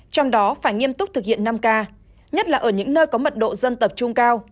trong đó phải nghiêm túc thực hiện năm k nhất là ở những nơi có mật độ dân tập trung cao